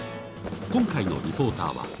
今回のリポーターは。